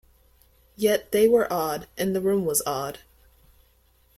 Yet they were odd and the room was odd.